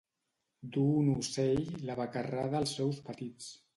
Dur un ocell la becarrada als seus petits.